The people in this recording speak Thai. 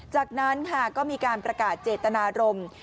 จากนั้นค่ะก็มีการประกาศเจตนารมณ์